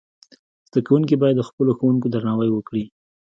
زدهکوونکي باید د خپلو ښوونکو درناوی وکړي.